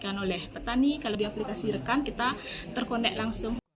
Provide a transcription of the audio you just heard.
yang oleh petani kalau di aplikasi rekan kita terkonek langsung